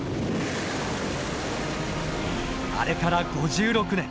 あれから５６年。